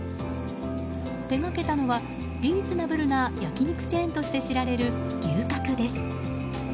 手がけたのは、リーズナブルな焼き肉チェーンとして知られる牛角です。